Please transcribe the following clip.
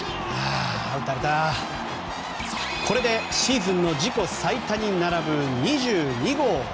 これで、シーズンの自己最多に並ぶ２２号。